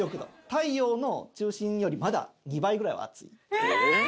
太陽の中心よりまだ２倍ぐらいは熱いえ！